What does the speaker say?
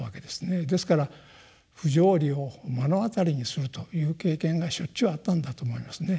ですから不条理を目の当たりにするという経験がしょっちゅうあったんだと思いますね。